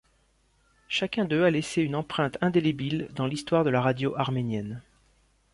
Chacun d'eux a laissé une empreinte indélébile dans l'histoire de la radio arménienne.